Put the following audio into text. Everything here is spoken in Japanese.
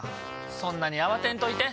そんなに慌てんといて。